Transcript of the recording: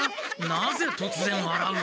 なぜ突然わらう？